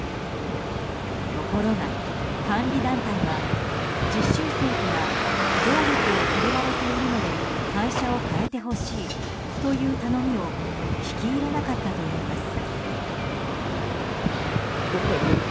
ところが、監理団体は実習生から暴力を振るわれているので会社を変えてほしいという頼みを聞き入れなかったといいます。